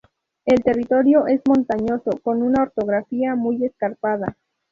El territorio es montañoso, con una orografía muy escarpada.